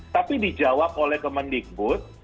tapi dijawab oleh kemendikbud